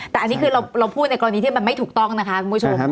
แต่อันนี้คือเราพูดในกรณีที่มันไม่ถูกต้องนะคะคุณผู้ชม